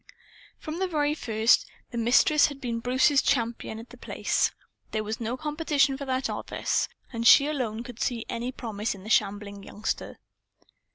From the very first, the Mistress had been Bruce's champion at The Place. There was no competition for that office. She and she alone could see any promise in the shambling youngster.